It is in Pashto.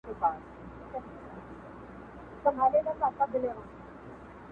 خلک د پېښې خبري کوي,